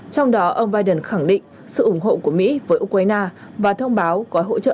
trong đó ông biden khẳng định sự ủng hộ của mỹ với ukraine và thông báo có hỗ trợ